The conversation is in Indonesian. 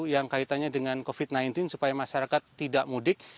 yang kaitannya dengan covid sembilan belas supaya masyarakat tidak mudik